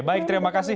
baik terima kasih